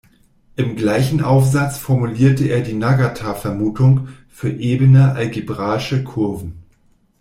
Im gleichen Aufsatz formulierte er die Nagata-Vermutung für ebene algebraische Kurven.